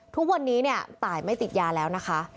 ทุกวันนี้เนี่ยตายไม่ติดยาแล้วนะคะ